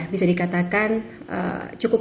bisa dikatakan cukup